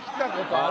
ある？